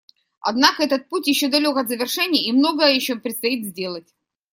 Однако этот путь еще далек от завершения и многое еще предстоит сделать.